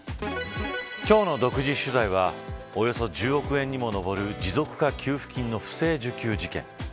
今日の独自取材はおよそ１０億円にも上る持続化給付金の不正受給事件。